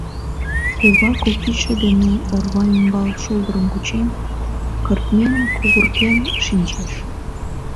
Кува, кок кидше дене орва ӱмбал шулдырым кучен, кыртмен-кугырген шинчеш.